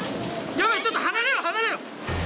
ヤバいちょっと離れろ離れろ！